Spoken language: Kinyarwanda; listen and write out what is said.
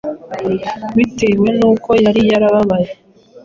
bitewe n’uko yari yarababaye